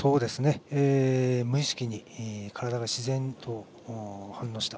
無意識に体が自然と反応した。